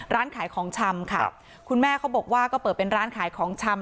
ร้านขายของชำค่ะคุณแม่เขาบอกว่าก็เปิดเป็นร้านขายของชำ